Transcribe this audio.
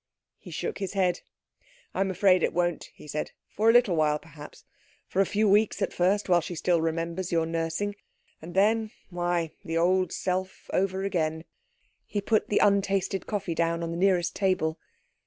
He shook his head. "I am afraid it won't," he said. "For a little while, perhaps for a few weeks at first while she still remembers your nursing, and then why, the old self over again." He put the untasted coffee down on the nearest table.